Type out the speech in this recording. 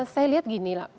saya lihat begini